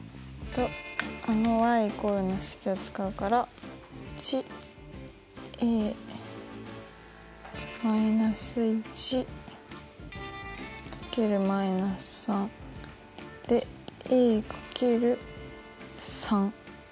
あの＝の式を使うから１−１×−３で×３が１。